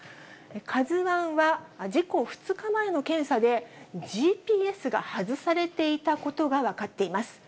カズワンは、事故２日前の検査で、ＧＰＳが外されていたことが分かっています。